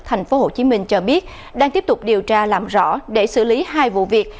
thành phố hồ chí minh cho biết đang tiếp tục điều tra làm rõ để xử lý hai vụ việc